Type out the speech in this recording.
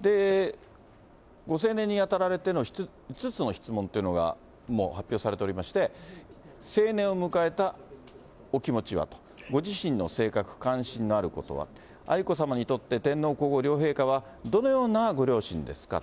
で、ご成年にあたられての５つの質問というのが、もう発表されておりまして、成年を迎えたお気持ちはと、ご自身の性格、関心のあることは、愛子さまにとって天皇皇后両陛下は、どのようなご両親ですか？